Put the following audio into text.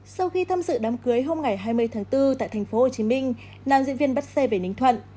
sau khi tham dự đám cưới hôm ngày hai mươi tháng bốn tại tp hcm nam diễn viên bắt xe về ninh thuận